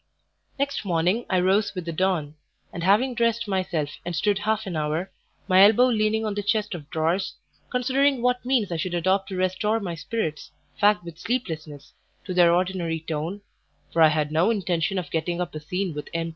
NEXT morning I rose with the dawn, and having dressed myself and stood half an hour, my elbow leaning on the chest of drawers, considering what means I should adopt to restore my spirits, fagged with sleeplessness, to their ordinary tone for I had no intention of getting up a scene with M.